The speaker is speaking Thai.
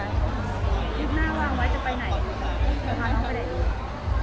นี่หน้าวางว่าจะไปไหนค่ะหรือหาอีก